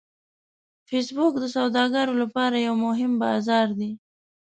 فېسبوک د سوداګرو لپاره یو مهم بازار دی